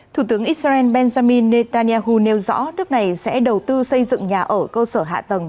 thủ tướng israel benjamin netanyahu nêu rõ nước này sẽ đầu tư xây dựng nhà ở cơ sở hạ tầng